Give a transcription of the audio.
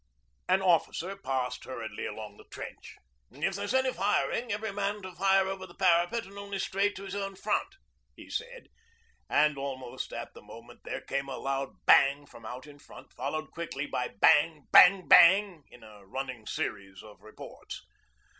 An officer passed hurriedly along the trench. 'If there's any firing, every man to fire over the parapet and only straight to his own front,' he said, and almost at the moment there came a loud 'bang' from out in front, followed quickly by 'bang bang bang' in a running series of reports.